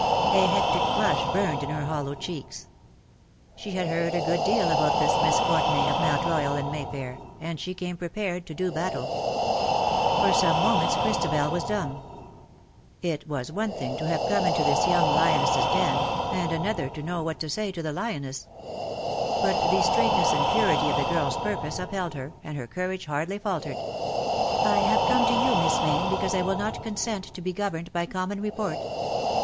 A hectic flush burned in her hollow cheeks. She had heard a good deal about this Miss Courtenay, of Mount Royal and Mayfair, and she came prepared to do battle. For some moments Christabel was dumb. It was one thing to have come into this young lioness's den, and another thing to know what to say to the lioness. But the straightness and purity of the girl's purpose upheld her — and her courage hardly faltered. L^84 '^LOVE IS LOVE FOR EVERMORE." " I have come to you, Miss Mayne, because I will not consent to be governed by common report.